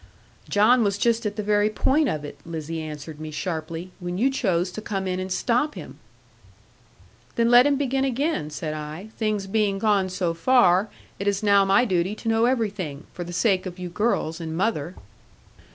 'John was just at the very point of it,' Lizzie answered me sharply, 'when you chose to come in and stop him.' 'Then let him begin again,' said I; 'things being gone so far, it is now my duty to know everything, for the sake of you girls and mother.'